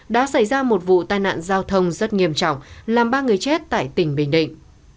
đã xảy ra một vụ tai nạn giao thông rất nghiêm trọng làm ba người chết tại tỉnh bình định